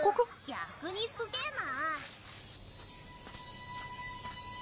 逆にすげえな。